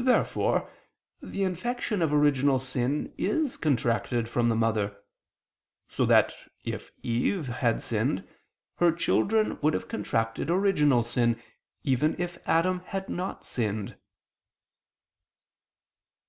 Therefore the infection of original sin is contracted from the mother: so that if Eve had sinned, her children would have contracted original sin, even if Adam had not sinned.